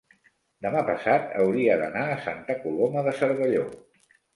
demà passat hauria d'anar a Santa Coloma de Cervelló.